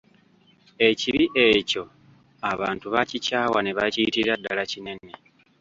Ekibi ekyo abantu baakikyawa ne bakiyitira ddala kinene.